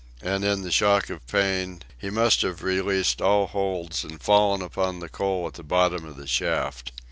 And, in the shock of pain, he must have released all holds and fallen upon the coal at the bottom of the shaft.